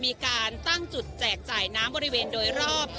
มีการตั้งจุดแจกจ่ายน้ำบริเวณโดยรอบ